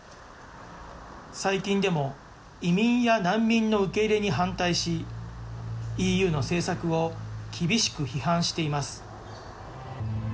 最近でも、移民や難民の受け入れに反対し、ＥＵの政策を厳しく批判しています。